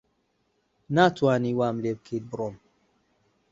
ناتوانی وام لێ بکەیت بڕۆم.